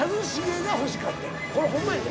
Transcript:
これホンマやで。